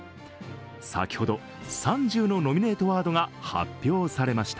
先ほど、３０のノミネートワードが発表されました。